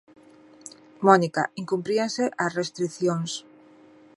Mónica, incumpríanse as restricións.